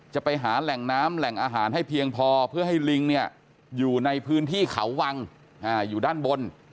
จะไปหาแหล่งน้ำแหล่งอาหารให้เพียงพอเพื่อให้ลิงเนี่ยอยู่ในพื้นที่เขาวังอยู่ด้านบน